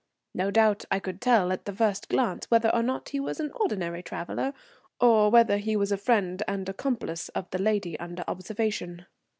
No doubt I could tell at the first glance whether or not he was an ordinary traveller, or whether he was a friend and accomplice of the lady under observation.